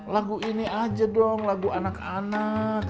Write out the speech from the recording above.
lagu ini aja dong lagu anak anak